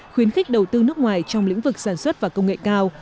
khuyến khích đầu tư nước ngoài trong lĩnh vực sản xuất và công nghệ cao